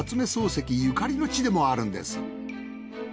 漱石ゆかりの地でもあるんです。